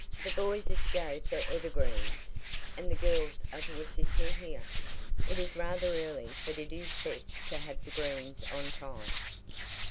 "The boys are to go for evergreens, and the girls are to assist me here. It is rather early, but it is best to have the greens on time."